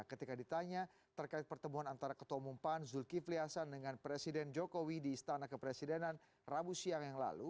ketika ditanya terkait pertemuan antara ketua umum pan zulkifli hasan dengan presiden jokowi di istana kepresidenan rabu siang yang lalu